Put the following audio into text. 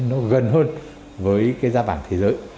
nó gần hơn với cái giá vàng thế giới